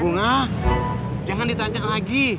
bunga jangan ditanya lagi